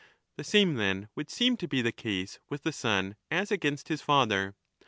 The same, then, would seem to be the case with the son as against his father.